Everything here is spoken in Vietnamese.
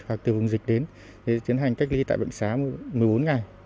hoặc từ vùng dịch đến thì tiến hành cách ly tại bệnh xá một mươi bốn ngày